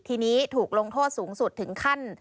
ทีนี้ถูกลงโทษสูงสุดถึงขั้น